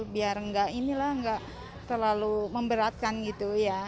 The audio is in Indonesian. biar nggak ini lah nggak terlalu memberatkan gitu ya